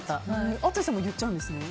淳さんも言っちゃうんですね。